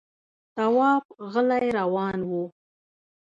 تواب غلی روان و.